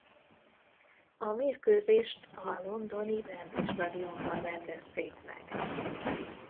A mérkőzést a londoni Wembley Stadionban rendezték meg.